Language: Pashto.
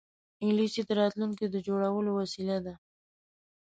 انګلیسي د راتلونکې د جوړولو وسیله ده